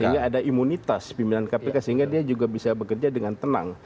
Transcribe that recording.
sehingga ada imunitas pimpinan kpk sehingga dia juga bisa bekerja dengan tenang